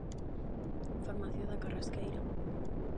Farmacia da Carrasqueira.